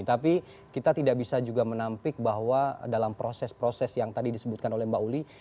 tapi kita tidak bisa juga menampik bahwa dalam proses proses yang tadi disebutkan oleh mbak uli